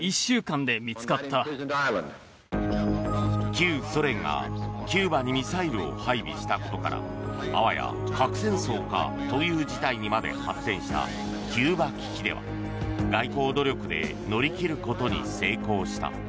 旧ソ連がキューバにミサイルを配備したことからあわや核戦争かという事態にまで発展したキューバ危機では外交努力で乗り切ることに成功した。